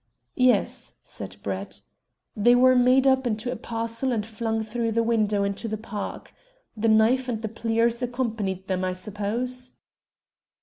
"Yes," said Brett. "They were made up into a parcel and flung through the window into the Park. The knife and the pliers accompanied them, I suppose?"